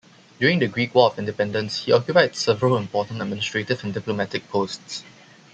During the Greek War of Independence, he occupied several important administrative and diplomatic posts.